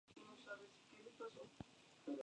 Funciona el Museo de Ciencias Naturales Dr.